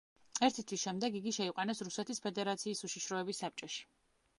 ერთი თვის შემდეგ, იგი შეიყვანეს რუსეთის ფედერაციის უშიშროების საბჭოში.